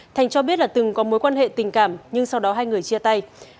thành cho biết là từng có mối quan hệ tình cảm nhưng sau đó hai người chia tay